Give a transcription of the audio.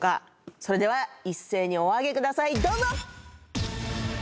それでは一斉にお上げくださいどうぞ。